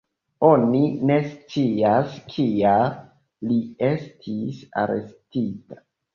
Oni ne scias kial li estis arestita.